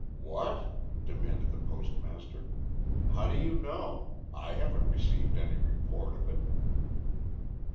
"What?" demanded the postmaster. "How do you know? I haven't received any report of it."